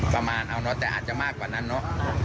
ประมาณเอาเนอะแต่อาจจะมากกว่านั้นเนอะ